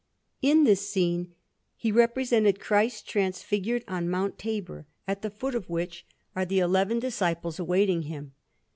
In this scene he represented Christ Transfigured on Mount Tabor, at the foot of which are the eleven Disciples awaiting Him.